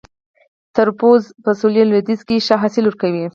تربوز په سویل لویدیځ کې ښه حاصل ورکوي